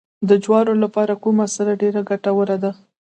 د جوارو لپاره کومه سره ډیره ګټوره ده؟